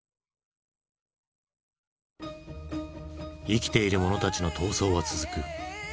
生きている者たちの闘争は続く。